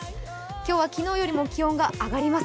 今日は昨日よりも気温が上がります。